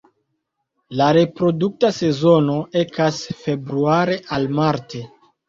La reprodukta sezono ekas februare al marte.